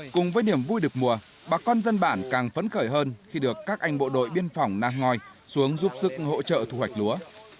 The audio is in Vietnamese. cùng với niềm vui được mùa bà con dân bản càng phấn khởi hơn khi được các anh bộ đội biên phòng nang ngòi xuống giúp sức hỗ trợ thu hoạch lúa